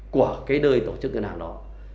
của đời tổ chức ngân hàng đó